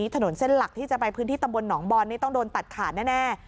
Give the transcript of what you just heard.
ถนนเส้นหลักที่จะไปพื้นที่ตำบลหนองบอลนี่ต้องโดนตัดขาดแน่